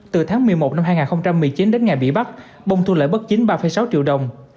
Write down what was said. từ tháng một mươi một năm hai nghìn một mươi chín đến ngày bị bắt bông thu lợi bất chính ba sáu triệu đồng